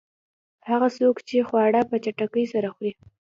هغه څوک چې خواړه په چټکۍ سره خوري.